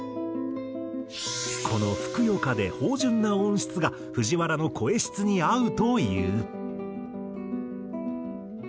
このふくよかで豊潤な音質が藤原の声質に合うという。